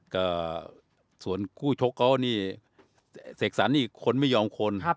ก็ส่วนคู่ชกเขานี่เสกสรรนี่คนไม่ยอมคน